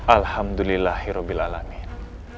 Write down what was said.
alhamdulillah herobil alamin